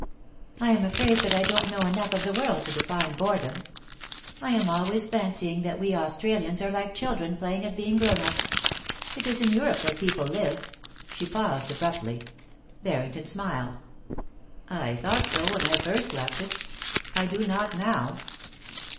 * I am afraid that I don't know enough of the world to define boredom. I am always fancying that we Australians are like children playing at being grown up. It is in Europe that people live ' She paused abruptly. Harrington smiled. * I thought so when I first left it ; I do not now.'